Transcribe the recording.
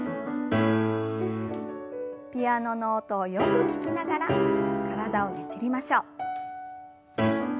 ピアノの音をよく聞きながら体をねじりましょう。